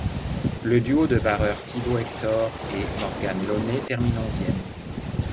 Le duo de barreurs Thibault Hector et Morgan Launay termine onzième.